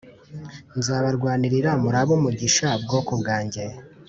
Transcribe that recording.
Nzabarwanirira murabumugisha bwoko bwanjye